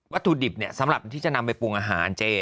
ถุดิบสำหรับที่จะนำไปปรุงอาหารเจ